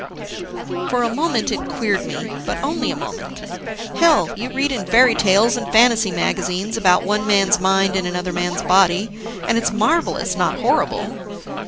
For a moment, it queered me, but only a moment. Hell, you read in fairy tales and fantasy magazines about one man's mind in another man's body, and it's marvelous, not horrible.